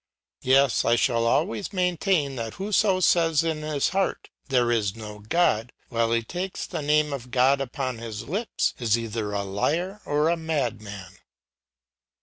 Yes, I shall always maintain that whoso says in his heart, "There is no God," while he takes the name of God upon his lips, is either a liar or a madman.